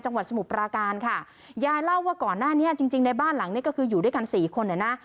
สมุทรปราการค่ะยายเล่าว่าก่อนหน้านี้จริงจริงในบ้านหลังนี้ก็คืออยู่ด้วยกันสี่คนเนี่ยนะ